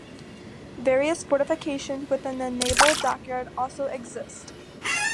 Various fortifications within the naval dockyard also exist.